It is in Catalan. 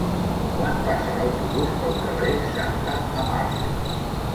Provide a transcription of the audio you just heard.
Quan passa l'autobús pel carrer Santa Amàlia?